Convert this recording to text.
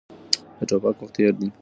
د ټوپک وخت تېر دی.